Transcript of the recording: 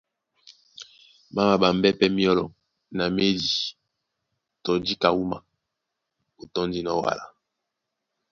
Má maɓambɛ́ pɛ́ myɔ́lɔ na médi tɔ njíka wúma ó tɔ́ndinɔ́ wala.